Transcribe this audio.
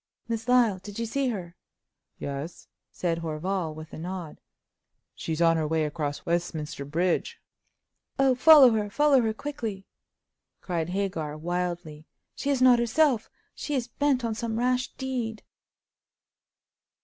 "Miss Lyle—did you see her?" "Yes," said Horval, with a nod "she's on her way across Westminster Bridge." "Oh, follow her—follow her quickly!" cried Hagar, wildly, "she is not herself; she is bent on some rash deed!"